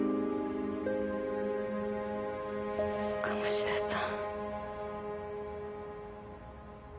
鴨志田さん。